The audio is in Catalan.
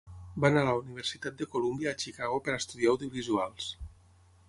Va anar a la Universitat de Colúmbia a Chicago per estudiar audiovisuals.